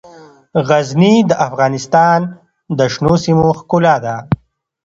غزني د افغانستان د شنو سیمو ښکلا ده.